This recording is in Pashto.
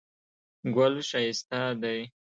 ګل ښایسته دی